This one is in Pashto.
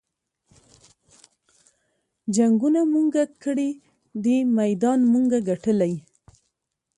جنګــــونه مونږه کـــــــــړي دي مېدان مونږه ګټلے